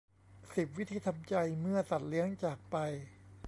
สิบ วิธีทำใจเมื่อสัตว์เลี้ยงจากไป